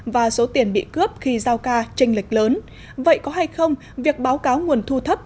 và số tiền bị cướp khi giao ca tranh lệch lớn vậy có hay không việc báo cáo nguồn thu thấp